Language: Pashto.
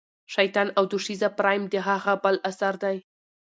شیطان او دوشیزه پریم د هغه بل اثر دی.